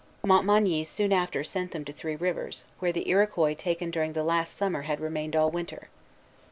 Montmagny soon after sent them to Three Rivers, where the Iroquois taken during the last summer had remained all winter.